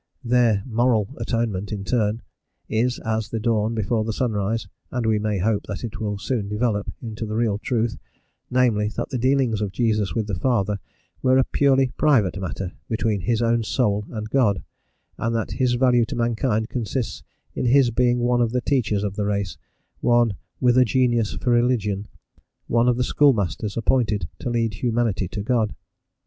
Their moral atonement, in turn, is as the dawn before the sunrise, and we may hope that it will soon develop into the real truth: namely, that the dealings of Jesus with the Father were a purely private matter between his own soul and God, and that his value to mankind consists in his being one of the teachers of the race, one "with a genius for religion," one of the schoolmasters appointed to lead humanity to God.